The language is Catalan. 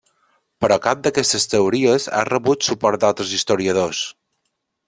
Però cap d'aquestes teories ha rebut suport d'altres historiadors.